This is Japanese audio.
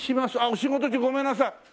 お仕事中ごめんなさい。